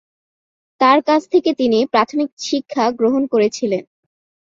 তাঁর কাছ থেকে তিনি প্রাথমিক শিক্ষা গ্রহণ করেছিলেন।